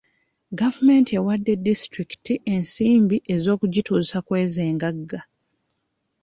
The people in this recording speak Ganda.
Gavumenti ewadde disitulikiti ensimbi ez'okugituusa ku ezo engagga.